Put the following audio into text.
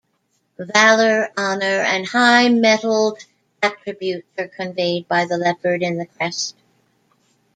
Valour, honour and high-mettled attributes are conveyed by the leopard in the crest.